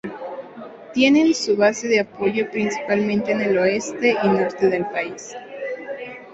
Tienen su base de apoyo principalmente en el oeste y norte del país.